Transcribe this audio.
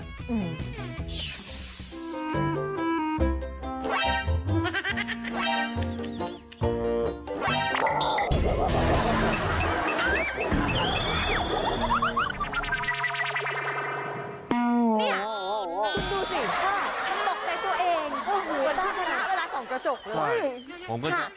นี่ดูสิตกใจตัวเองเวลาส่องกระจกเลย